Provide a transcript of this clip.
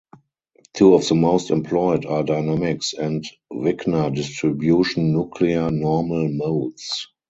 Two of the most employed are dynamics and Wigner distribution nuclear normal modes.